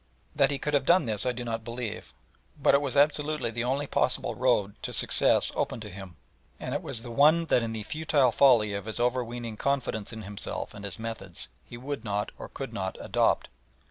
That he could have done this I do not believe, but it was absolutely the only possible road to success open to him, and it was the one that in the futile folly of his overweening confidence in himself and his methods he would not or could not adopt.